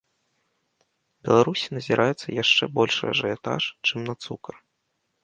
Беларусі назіраецца яшчэ большы ажыятаж, чым на цукар.